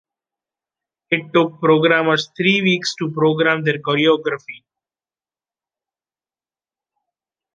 It took programmers three weeks to program their choreography.